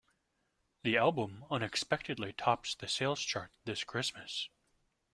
The album unexpectedly tops the sales chart this Christmas.